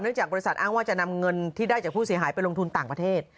จากบริษัทอ้างว่าจะนำเงินที่ได้จากผู้เสียหายไปลงทุนต่างประเทศ